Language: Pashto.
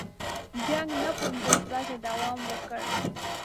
جنګ نهه پنځوس ورځې دوام وکړ.